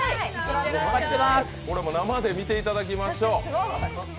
生で見ていただきましょう！